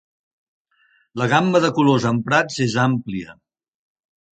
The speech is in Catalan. La gamma de colors emprats és àmplia.